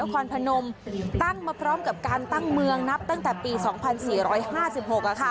ควรพนมตั้งมาพร้อมกับการตั้งเมืองนับตั้งแต่ปีสองพันสี่ร้อยห้าสิบหกอะค่ะ